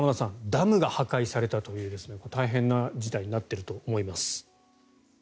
ダムが破壊されたという大変な事態になっていると思います。